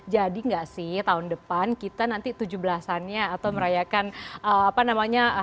jadi nggak sih tahun depan kita nanti tujuh belasannya atau merayakan apa namanya